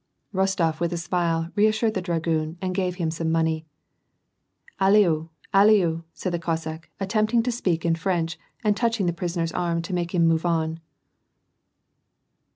Bostof, with a smile, reassured the dragoon, and gave him some money. ^^Alyo! All/of" said the Cossack, attempting to speak in French, and touching the prisoner's arm to make him move on.